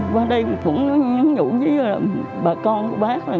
qua đây cũng nhủ với bà con của bác